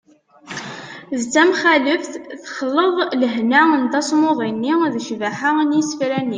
d tamxaleft : texleḍ lehna n tasmuḍi-nni d ccbaḥa n yisefra-nni